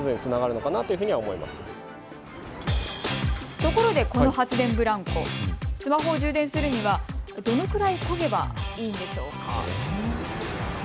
ところで、この発電ブランコ、スマホを充電するには、どのぐらいこげばいいのでしょうか。